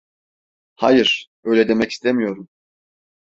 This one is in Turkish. Hayır, öyle demek istemiyorum…